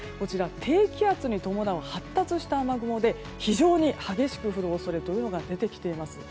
低気圧に伴う発達した雨雲で非常に激しく降る恐れが出てきています。